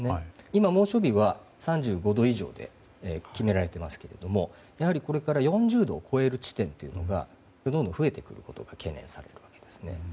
今、猛暑日は３５度以上で決められていますけれどこれから４０度を超える地点がどんどん増えてくることが懸念されているわけですね。